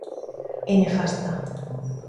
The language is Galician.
É nefasta.